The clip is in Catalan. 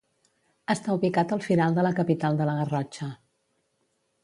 Està ubicat al Firal de la capital de La Garrotxa.